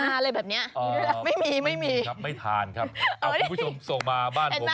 อะไรแบบเนี้ยอ๋อไม่มีไม่มีครับไม่ทานครับเอาคุณผู้ชมส่งมาบ้านผม